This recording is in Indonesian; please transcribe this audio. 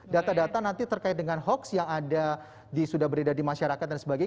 data data nanti terkait dengan hoax yang ada sudah beredar di masyarakat dan sebagainya